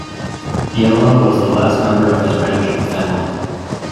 Biela was the last member of his branch of the family.